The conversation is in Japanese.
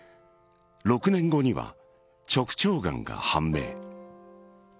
６年後には直腸がんが判明。